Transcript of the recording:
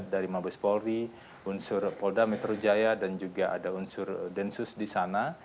dari mabes polri unsur polda metro jaya dan juga ada unsur densus di sana